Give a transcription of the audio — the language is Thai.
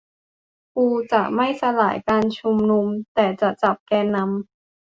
กูจะไม่สลายการชุมนุม แต่จะจับแกนนำ